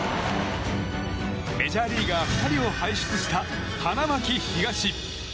メジャーリーガー２人を輩出した花巻東。